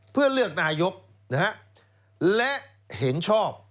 เพื่อเลือกนายกและเห็นชอบ